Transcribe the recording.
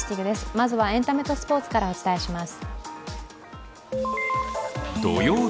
まずはエンタメとスポーツからお伝えします。